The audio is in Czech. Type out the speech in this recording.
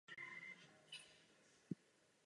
O návrhu pana Swobody budeme hlasovat zítra.